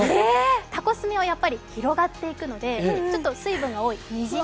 タコ墨は広がっていくので水分が多い。